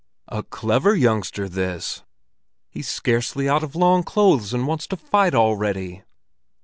"A clever youngster, this! He's scarcely out of long clothes, and wants to fight already!"